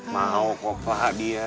mau kok pak hadi ya